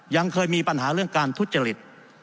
ยังเคยมีปัญหาเรื่องการทุจริต